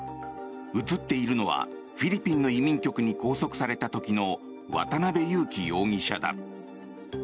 映っているのはフィリピンの移民局に拘束された時の渡邉優樹容疑者だ。